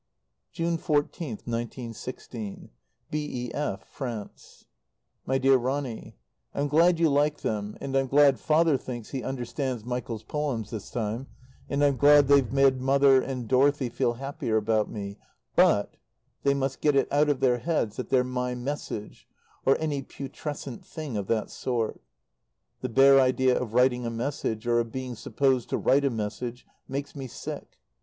June 14th, 1916. B.E.F., FRANCE. MY DEAR RONNY, I'm glad you like them, and I'm glad Father thinks he "understands Michael's poems" this time, and I'm glad they've made Mother and Dorothy feel happier about me BUT they must get it out of their heads that they're my "message," or any putrescent thing of that sort. The bare idea of writing a message, or of being supposed to write a message, makes me sick.